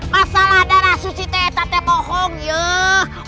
masalah darah suci teh teteh bohong yuk